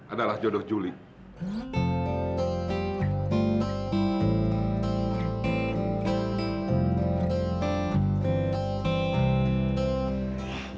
adalah jodoh julie